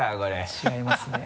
違いますね。